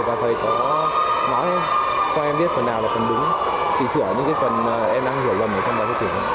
thầy có nói cho em biết phần nào là phần đúng chỉ sửa những phần em đang hiểu lầm ở trong bài phát triển